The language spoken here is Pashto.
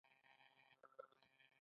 د هرات په اوبې کې د مرمرو نښې شته.